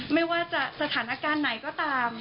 ไม่ว่าจะสถานการณ์ไหนก็ตาม